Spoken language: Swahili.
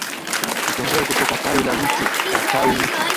kutembea kutoka tawi la mti na tawi mti